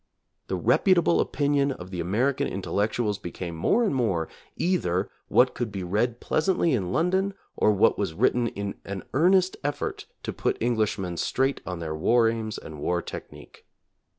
The reputable opinion of the American intellectuals became more and more either what could be read pleasantly in London, or what was written in an earnest effort to put Englishmen straight on their war aims and war technique.